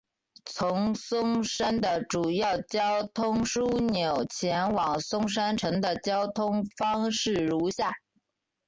从松山的主要交通枢纽前往松山城的交通方式如下。